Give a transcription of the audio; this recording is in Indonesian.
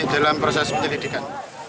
dalam proses penyelidikan